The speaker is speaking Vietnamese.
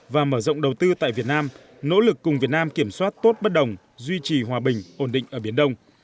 và mở rộng đầu tư tại việt nam nỗ lực cùng việt nam kiểm soát tốt bất đồng duy trì hòa bình ổn định ở biển đông